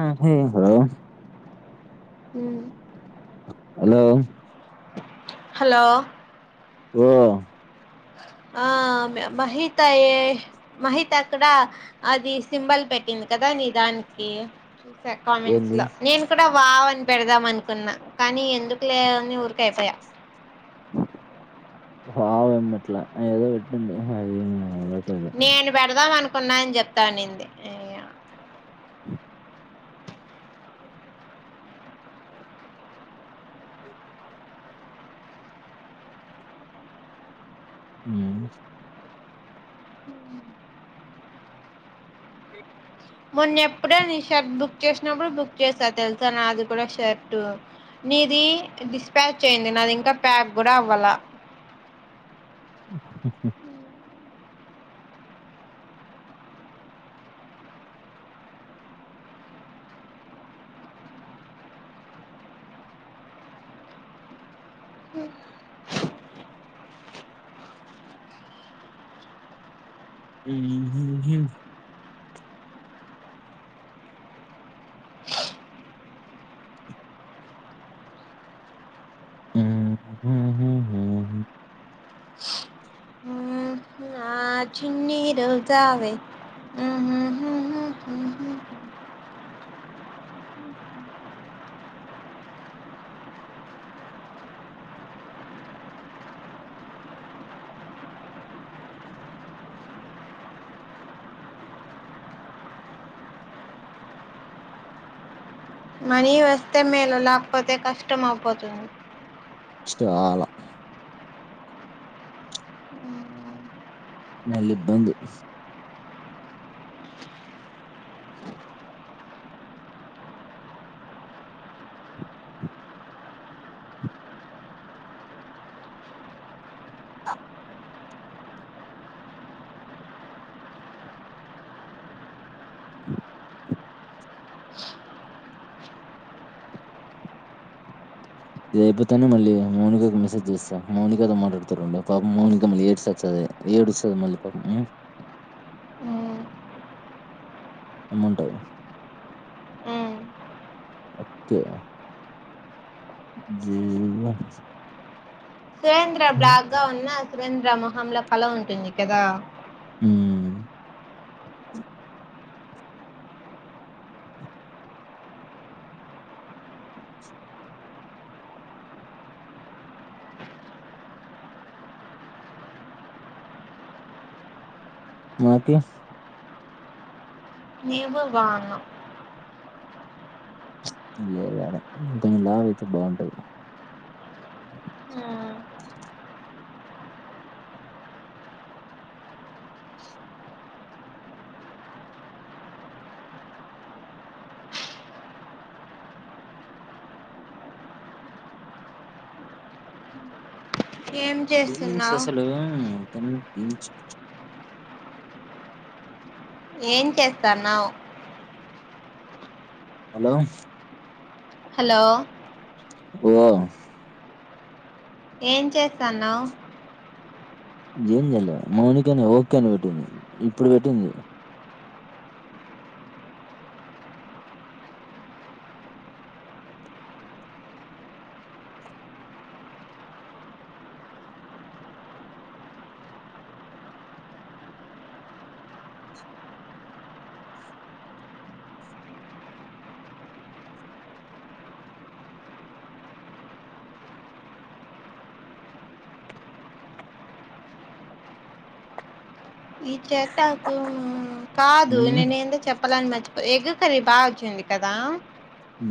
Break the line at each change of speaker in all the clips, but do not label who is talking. ఆ హు హలో
ఊ
హలో
హలో
ఓ
ఆ మహిత అయ మహిత అక్కడ అది సింబల్ పెట్టింది కదా నీ దానికి చూసా కామెంట్స్
ఏంది
లో నేను కూడా వావ్ అని పెడదాం అనుకున్నా కానీ ఎందుకు లే అూరు కయపోయా
బావ ఏమీ పెట్ల ఏదో పెట్టండి ఆది
నేను పెడదాం అను కొన్నాయని చెప్తాను నంది
[unintelligible] అ
మొన్న ఎప్పుడే నీ షర్ట్ బుక్ చేసినప్పుడు బుక్ చేసా తెలుసా నా అది కూడా షర్ట్ నీది డిస్పాచ్ అయయింది నాది ఇంకా ప్యాక్ కూడా అవ్వాల
ఉ హు హు ఉహు హు హ్మ్ హ్మ్ హ్మ్
నా చిన్ని రోజావే ఉహు హుహు ఉహు మనీ వస్తే మేలు లేకపోతే కష్టం అయిపోతుంది
ఇష్టాలా అళ ఇబ్బంది ఇది అయిపోతనే మళ్ళీ మౌనికాకు మెసేజ్ జేస్తా మౌనికతో మాట్లాడుతారొండు పాపం మౌనిక మళ్ళీ ఏడి సస్తది ఏడుస్తది మళ్ళీ పాపం ఊ ఏమంటావు
ఉమ్.
ఒక్కే జీవన్
సురేంద్ర బ్లాక్ గా ఉన్న సురేంద్ర మొహంంలో కల ఉంటుంది కదా
మాార్కిస్
నవు వాంగ
లేదాడ ఇంకంచెం లావ అయితే బాగుంటది
ఉమ్. ఏం చేస్తున్నావు
హ్మ్ మించు మించు
ఏం చేస్తాన్నావు
హలో
హలో
ఓ
ఏం చేస్తాన్నా్
ఏం చేయాలా మౌనికని ఓకే అని పెట్టింది ఇప్పుడు పెట్టింది
ఈ చెత్తక కాదు
ఉమ్
నేను ఏందో చెప్పాలని మర్చిపో ఎగ సరే బాగా వచ్చింది కదా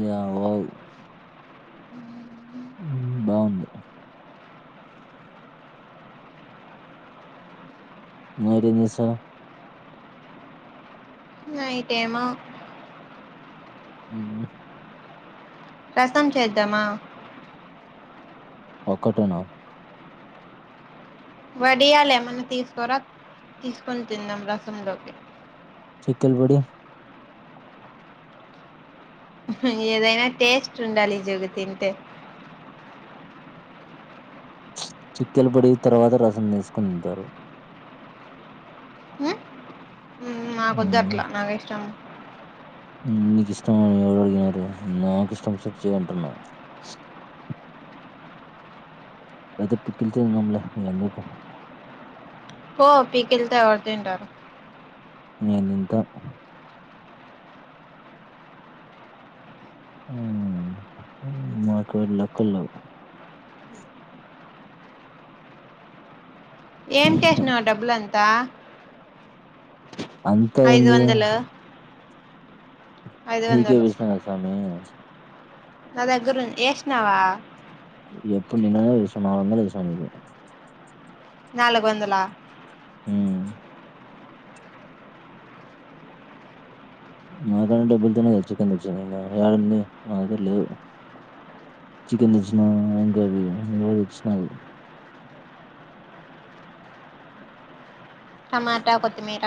యావో ఉమ్ బావుంది మరిజసా
నైట్ ఏమో
అ
రసం చేద్దామా
ఒకటను
వడియాాల ఏమన్నా తీసుకోరా తీసుకుొని తిందాం రసంలోకి
చికల్బడి
ఏదైనా టేస్ట్ ఉండాలి ఈ జగుతీ ఇంతే
చిక్కెల పొడి తర్వాత రసం తీసుకుొని ఉంటారు
నాకొద్దు
ఉమ్
అట్లా నాకు ఇష్టం
నీకు ఇష్టం అని ఎవరు అడిగినారు నాకు ఇష్టం వచి నటు చేయంటున్నా అది పికిలుతు నమ్లే ఎందుకా
పో పికెలుతే వదు అంటారు
నేనింతే హమ్ మా కడ లెక్కలు లేవు
ఏం చేసినవి డబ్బు అని తా
అంత అయింది కదా
ఐదు
పికె
వందలు
విశ్వనాధ్ స్వామి [inaudible]
నా దగ్గురు ఉంది యష్ నావా
ఎప్పుడు నిన్న విషమాందా విషంది
నాలుగు వందలా
హమ్ నాకన్నా డబ్బులు తనే కదా చికెన్ తెచ్చిన నా కడ నా దగ్గర లేవు చికెన్ తెచ్చినాకోబీ ఇ గులిచిన
టమాట కొత్తిమీర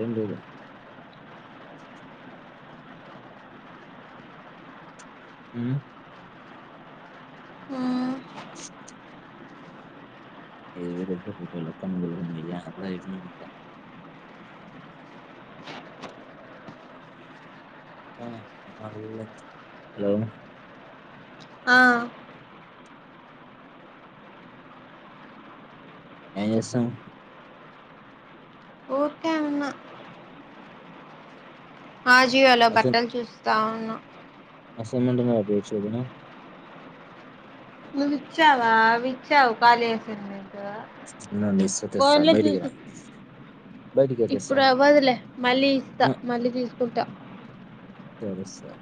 ఏంటిది హుమ్మ్ ఇరులక్క ముయ అ ఇ హలో
ఆ
ఆమ్ చస్తాడు
ఊరికే ఉన్నా ఆజియోలో బట్టలు చూసి తన
అసైన్మెంట్ ఆపేయచ్చు కదా
నవ్వు విచ్చావా విచ్చావు కాళస
ఉండండి ఇస్తా తెస్తా
ఫోన్లో
బయటికి రా
చూసి
బయటికే తెస్తా
ఇప్పుడు అవ్వదులే మళ్ళీ ఇస్తా మళ్ళీ తీస్తా కుట్ట
తీరితే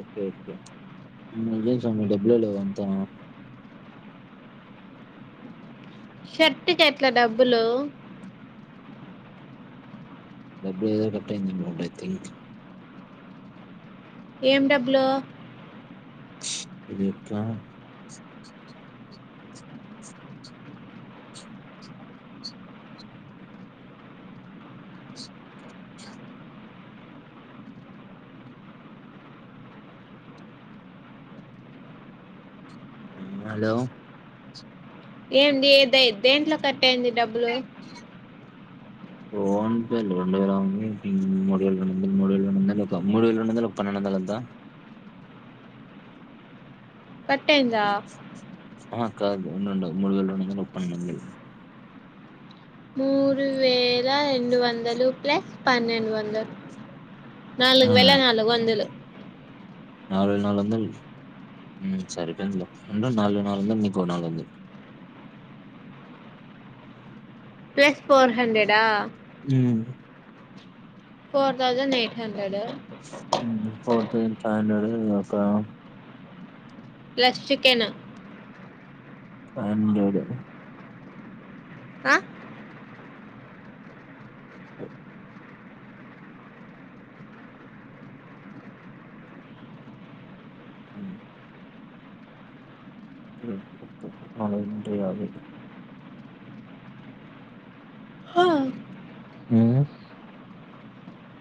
ఓకే ఓకే స మీ డబ్బులో లేవు అంతా
షర్ట్ కి ఆల్ట్ డబ్బులు
డబ్బలు ఏదో కట్టాయిందం బట్ ఐ థింక్
ఏం డబ్బులు
ఇది ఎట్లా స హలో
ఎండి దే దేంట్లో కట్టైంది డబ్బులు
ఫోన్ పేలో రెండు వేలంది మూడు వేల రెండుందలు మూడు వేల రెండు వందలు పన్నెండు వందల ఎంతా
కట్అయిందా
ఆ కాద్ ఉండుడు మూడు వేల రెండు వందల పన్నెండు వందలు
మూడు వేల రెండు వందలు ప్లస్ పన్నెండు వందలు
ఆ
నాలుగు వెేల నాలుగు వందలు
నాలుగు వేల నాలుగు వందల్ హుమ్ సరిపోయిందిలే ఉండు నాలుగు నాలుగు వందల్ నీకో నాలుగు వందలు
ప్లస్ ఫోర్ హండ్రెడ్ ఆ
హుమ్
ఫోర్ తౌసన్ ఎయిట్ హండ్రెడ్
హుమ్ ఫోర్ పాయింట్ ఫైవ్ హండ్రెడ్ ఏ కదా లెక్కా
ప్లస్ చికెను
అయన్న లేడు హుమ్ నాలుగు మూడు యాభై హుమ్